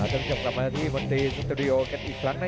ต้องจับกลับมาที่มดตรีสตูดิโอกันอีกครั้งนะ